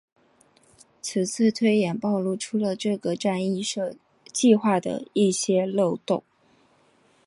此次推演暴露出了这个战役计划的一些漏洞。